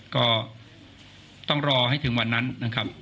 ก็ต้องรอให้ถึงวันนั้นนะครับ